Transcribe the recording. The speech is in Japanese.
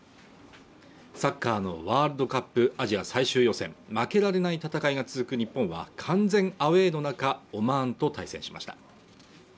サッカーのワールドカップアジア最終予選負けられない戦いが続く日本は完全アウェーの中、オマーンと対戦しました。